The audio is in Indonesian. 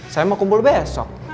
saya mau kumpul besok